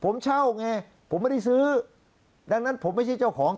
ผมเช่าไงผมไม่ได้ซื้อดังนั้นผมไม่ใช่เจ้าของ